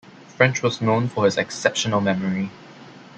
French was known for his exceptional memory.